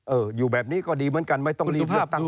เอออยู่แบบนี้ก็ดีเหมือนกันไม่ต้องดีเหมือนเพื่อตังคติ